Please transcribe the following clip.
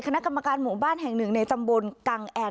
คณะกรรมการหมู่บ้าน๑ในสะมบลย์กรรมแอน